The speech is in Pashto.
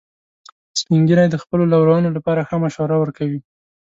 سپین ږیری د خپلو لورونو لپاره ښه مشوره ورکوي